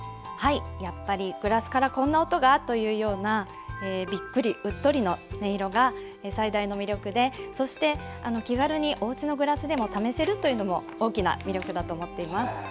やっぱり、グラスからこんな音が？というようなびっくり、うっとりの音色が最大の魅力でそして、気軽におうちのグラスでも試せるということも大きな魅力だと思っています。